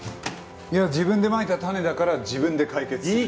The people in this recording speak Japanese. いや自分でまいた種だから自分で解決する。